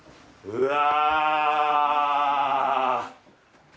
うわ！